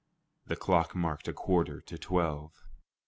The clock marked a quarter to twelve.